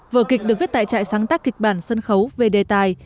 vở kịch được viết tại trại sáng tác kịch bản sân khấu về đề tài